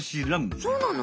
そうなの？